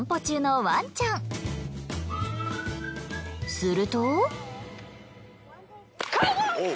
すると。